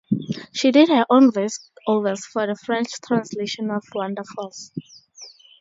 She did her own voice-overs for the French translation of "Wonderfalls".